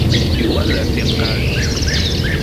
Yuɣal ar tiqqaṛ is.